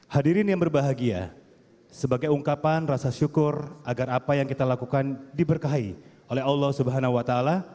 hadirin yang berbahagia sebagai ungkapan rasa syukur agar apa yang kita lakukan diberkahi oleh allah swt